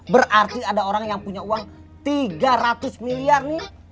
berarti ada orang yang punya uang tiga ratus miliar nih